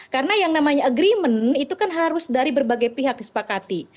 karena yang namanya agreement itu kan harus dari berbagai pihak disepakati